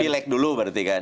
pilek dulu berarti kan